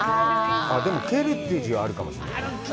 でも蹴るという字はあるかもしれない。